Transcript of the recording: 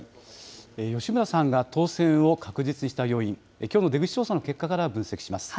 吉村さんが当選を確実にした要因、きょうの出口調査の結果から分析します。